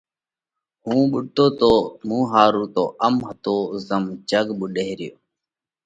هُون ٻُوڏتو تو، مُون ۿارُو تو ام هتو زم جڳ ٻُوڏئه ريو۔